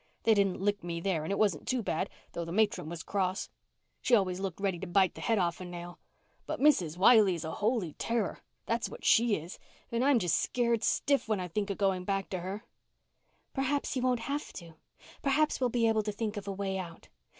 They didn't lick me there and it wasn't too bad, though the matron was cross. She always looked ready to bite my head off a nail. But Mrs. Wiley is a holy terror, that's what she is, and I'm just scared stiff when I think of going back to her." "Perhaps you won't have to. Perhaps we'll be able to think of a way out.